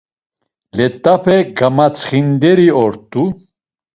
Let̆ape gamatsxinderi ort̆u.